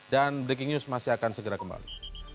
dan breaking news masih akan segera kembali